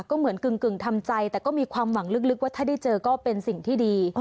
ก็เหมือนกึ่งทำใจแต่ก็มีความหวังลึกว่าถ้าได้เจอก็เป็นสิ่งที่ดี